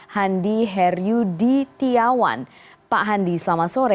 handi heryudi tiawan pak handi selamat sore